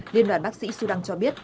liên đoàn bác sĩ sudan cho biết